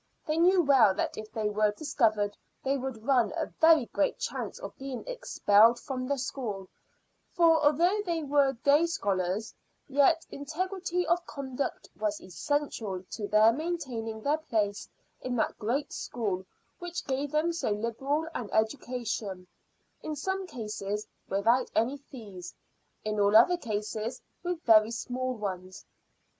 They knew well that if they were discovered they would run a very great chance of being expelled from the school; for although they were day scholars, yet integrity of conduct was essential to their maintaining their place in that great school which gave them so liberal an education, in some cases without any fees, in all other cases with very small ones.